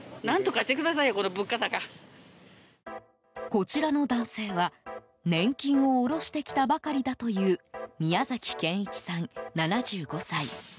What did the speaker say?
こちらの男性は、年金を下ろしてきたばかりだという宮崎賢一さん、７５歳。